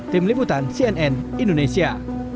tim liputan cnn indonesia